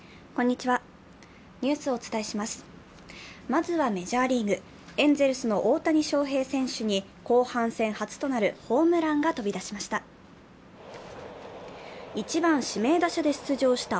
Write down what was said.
まずはメジャーリーグ、エンゼルスの大谷翔平選手に後半戦初となるホームランが飛び出しました。